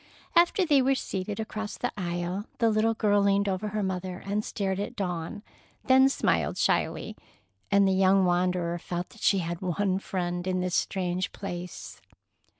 After they were seated, across the aisle, the little girl leaned over her mother and stared at Dawn, then smiled shyly, and the young wanderer felt that she had one friend in this strange place.